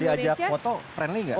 ini kalau diajak foto friendly nggak